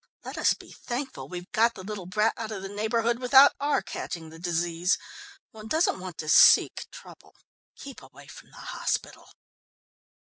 "Let us be thankful we've got the little brat out of the neighbourhood without our catching the disease. One doesn't want to seek trouble. Keep away from the hospital."